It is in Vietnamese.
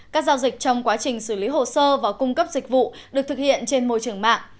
các giao dịch trong quá trình xử lý hồ sơ và cung cấp dịch vụ được thực hiện trên môi trường mạng